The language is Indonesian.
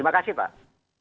terima kasih pak